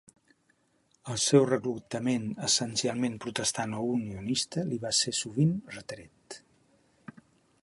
El seu reclutament essencialment protestant o unionista li va ser sovint retret.